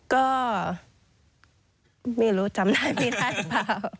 ก็ไม่รู้จำได้ไม่ได้หรือเปล่า